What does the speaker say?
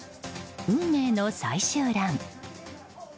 運命の最終ラン。